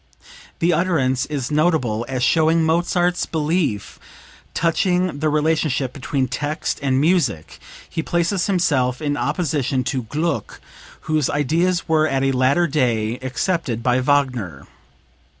The utterance is notable as showing Mozart's belief touching the relationship between text and music; he places himself in opposition to Gluck whose ideas were at a later day accepted by Wagner.